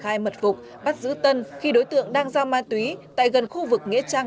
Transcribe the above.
khai mật phục bắt giữ tân khi đối tượng đang giao ma túy tại gần khu vực nghĩa trang